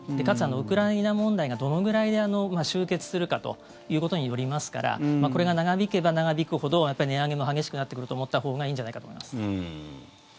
かつウクライナ問題がどのぐらいで終結するかということによりますからこれが長引けば長引くほど値上げも激しくなってくると思ったほうがいいんじゃないかと思います。